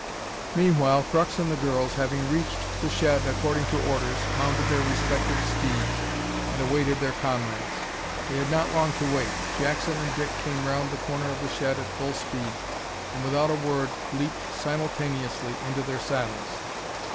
Meanwhile Crux and the girls, having reached the shed according to orders, mounted their respective steeds and awaited their comrades. They had not long to wait. Jackson and Dick came round the corner of the shed at full speed, and, without a word, leaped simultaneously into their saddles.